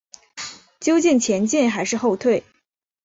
究竟前进还是后退？